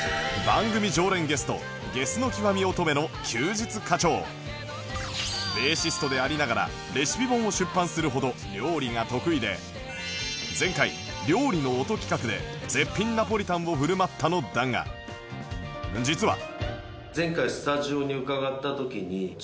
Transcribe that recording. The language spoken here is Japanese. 番組常連ゲストベーシストでありながらレシピ本を出版するほど料理が得意で前回「料理の音」企画で絶品ナポリタンを振る舞ったのだが実は